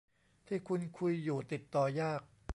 ที่คุณคุยอยู่ติดต่อยาก